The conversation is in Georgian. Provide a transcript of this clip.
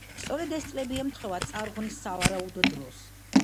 სწორედ ეს წლები ემთხვევა წარღვნის სავარაუდო დროს.